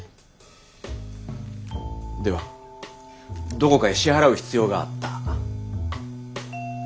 ではどこかへ支払う必要があった？